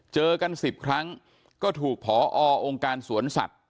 เจอกัน๑๐ครั้งก็ถูกพอองค์การสวนสัตว